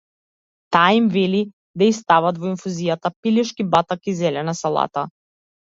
Таа им вели да ѝ стават во инфузијата пилешки батак и зелена салата.